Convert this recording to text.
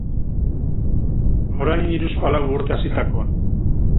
Orain hiruzpalau urte hasitakoa.